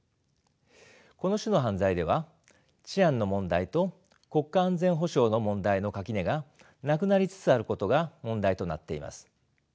この種の犯罪では治安の問題と国家安全保障の問題の垣根がなくなりつつあることが問題となっています。